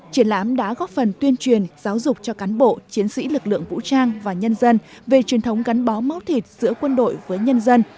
triển lãm đã góp phần tuyên truyền giáo dục cho cán bộ chiến sĩ lực lượng vũ trang và nhân dân về truyền thống gắn bó máu thịt giữa quân đội với nhân dân